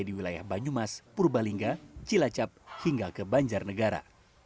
di wilayah banyumas purbalingga cilacap hingga ke banjarnegara